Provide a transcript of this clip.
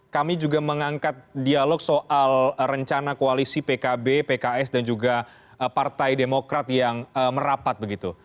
kami juga mengangkat dialog soal rencana koalisi pkb pks dan juga partai demokrat yang merapat begitu